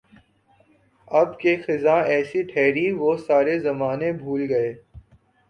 اب کے خزاں ایسی ٹھہری وہ سارے زمانے بھول گئے